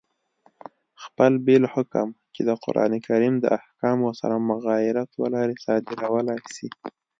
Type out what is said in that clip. خپل بېل حکم، چي د قرآن کریم د احکامو سره مغایرت ولري، صادرولای سي.